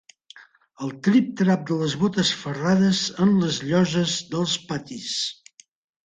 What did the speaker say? El trip-trap de les botes ferrades en les lloses dels patis